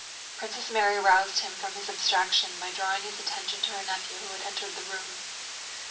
Princess Mary roused him from his abstraction by drawing his attention to her nephew who had entered the room.